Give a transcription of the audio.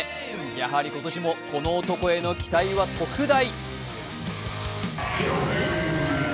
やはり今年もこの男への期待は特大。